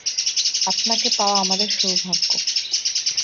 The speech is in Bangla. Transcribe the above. আপনাকে পাওয়া আমাদের সৌভাগ্য।